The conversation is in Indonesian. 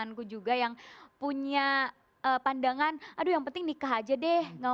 jadi ada juga teman temanku juga yang punya pandangan aduh yang penting nikah aja deh